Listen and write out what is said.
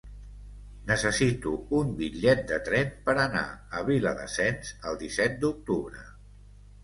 Necessito un bitllet de tren per anar a Viladasens el disset d'octubre.